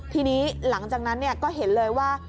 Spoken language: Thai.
ทีนี้หลังจากนั้นก็เห็นเลยว่า